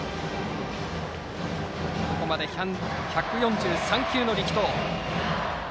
ここまで１４３球の力投。